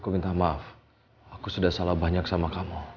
aku minta maaf aku sudah salah banyak sama kamu